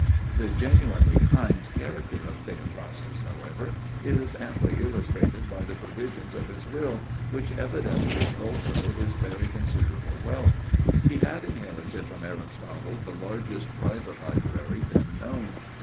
The genuinely kind character of Theophrastus, however, is amply illustrated by the provisions of his will, which evidences also his very considerable wealth. He had inherited from Aristotle the largest private library then known.